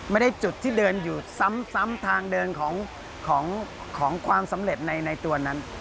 ไม่ได้จุดที่เดินอยู่ซ้ำทางเดินของความสำเร็จในตัวนั้น